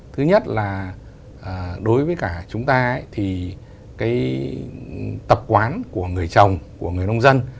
thứ nhất là đối với cả chúng ta thì cái tập quán của người chồng của người nông dân